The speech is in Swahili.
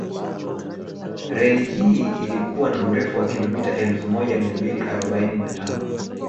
Reli hii ilikuwa na urefu wa kilomita Elfu moja mia mbili arobaini na tano